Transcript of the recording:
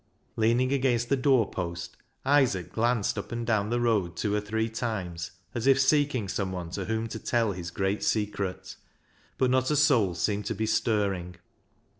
Leaning against the doorpost, Isaac glanced up and down the road two or three times as if seeking someone to whom to tell his great secret ; but not a soul seemed to be stirring.